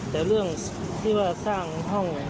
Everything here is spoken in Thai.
แต่เรื่องที่ว่าสร้างห้อง